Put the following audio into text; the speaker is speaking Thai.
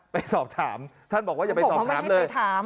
ไปสอบถามท่านบอกว่าอย่าไปสอบถามเลย